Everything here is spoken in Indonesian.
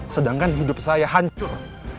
sedangkan hidup saya hancur